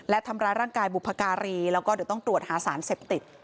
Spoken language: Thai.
และทำร้ายร่างกายบุพการีแล้วก็เดี๋ยวต้องตรวจหาสารเสพติด